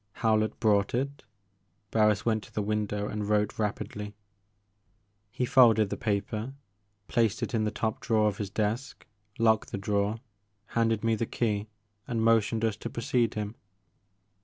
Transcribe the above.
Howlett brought it. Barris went to the window and wrote rapidly. He folded the paper, placed it in the top drawer of his desk, locked the drawer, handed me the key, and motioned us to precede him.